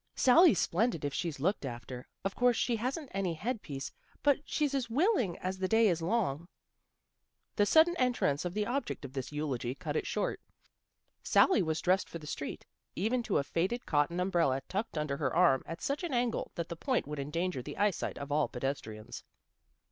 " Sally's splendid if she's looked after. Of course she hasn't any head piece, but she's as willing as the day is long." The sudden entrance of the object of this A DISAGREEMENT 221 eulogy cut it short. Sally was dressed for the street, even to a faded cotton umbrella tucked under her arm at such an angle that the point would endanger the eyesight of all pedestrians.